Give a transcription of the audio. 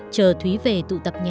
chờ thúy về tụ tập nhé